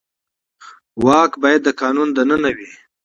واک باید د قانون دننه وي